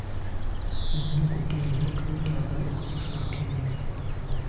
Ennyukuta eno twetaaga okugifaako ennyo.